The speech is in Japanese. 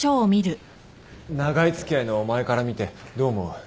長い付き合いのお前から見てどう思う？